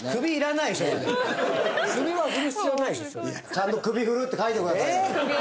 ちゃんと「首振る」って書いてくださいよ。